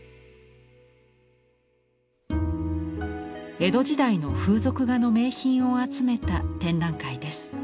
江戸時代の風俗画の名品を集めた展覧会です。